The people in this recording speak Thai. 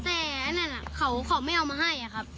แต่อันนั้นอ่ะเขาขอไม่เอามาให้ครับ